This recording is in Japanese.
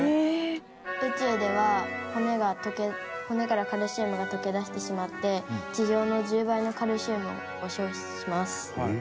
宇宙では骨が骨からカルシウムが溶け出してしまって地上の１０倍のカルシウムを消費します。